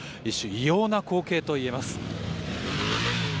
異様な光景といえます。